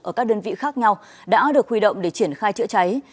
ở các đơn vị khác nhau đã được huy động để triển khai chữa cháy